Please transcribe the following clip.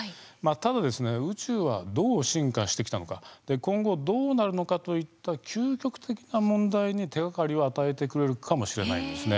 ただ宇宙はどう進化してきたのか今後どうなるのかといった究極的な問題に手がかりを与えてくれるかもしれないんです。